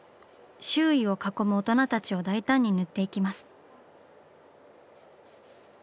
周囲を囲む大人たちを大胆に塗っていきます。